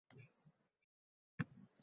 — Miyangizni maksimal ishlashga undaydigan!